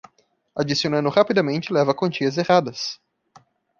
Adicionando rapidamente leva a quantias erradas.